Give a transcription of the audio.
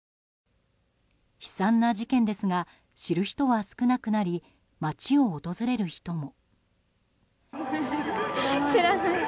悲惨な事件ですが知る人は少なくなり街を訪れる人も。